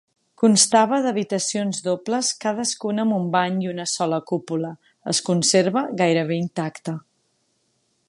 Constava d'habitacions dobles cadascuna amb un bany i una sola cúpula, es conserva gairebé intacte.